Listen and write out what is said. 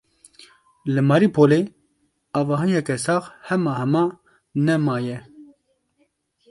Li Mariupolê avahiyeke sax hema hema ne maye.